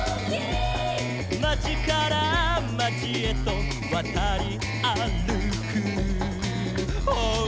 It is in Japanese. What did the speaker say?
「まちからまちへとわたりあるく」「」